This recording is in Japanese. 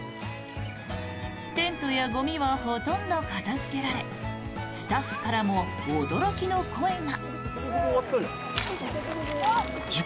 テントやゴミはほとんど片付けられスタッフからも驚きの声が。